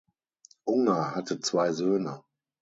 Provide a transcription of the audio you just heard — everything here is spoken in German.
Ungar hatte zwei Söhne.